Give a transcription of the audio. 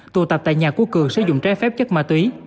tù tập tại nhà của cường sử dụng trái phép chất ma túy